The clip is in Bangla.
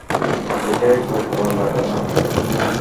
এটায় বদদোয়া লাগে না, বুঝলে।